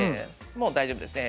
もう大丈夫ですね。